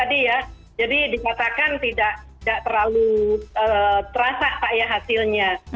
jadi tadi ya jadi dikatakan tidak terlalu terasa pak ya hasilnya